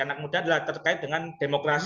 anak muda adalah terkait dengan demokrasi